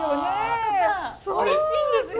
それがおいしいんですよ。